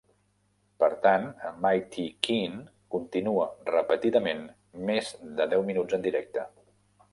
Per tant, "Mighty Quinn" continua repetidament més de deu minuts en directe.